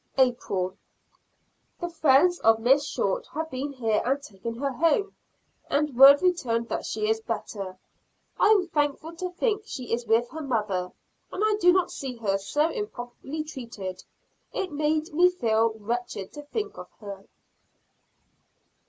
April. The friends of Miss Short have been here and taken her home, and word returned that she is better. I am thankful to think she is with her mother, and I do not see her so improperly treated; it made me feel wretched to think of her.